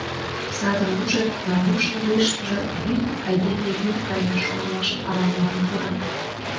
Садым ужын, Майрушын вуйышкыжо «вӱд — айдеме вӱр гае» шонымаш ала-молан пура.